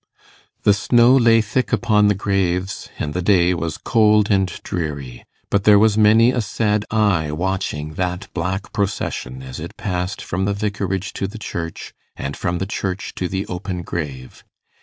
The snow lay thick upon the graves, and the day was cold and dreary; but there was many a sad eye watching that black procession as it passed from the vicarage to the church, and from the church to the open grave.